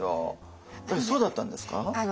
そうだったんですか？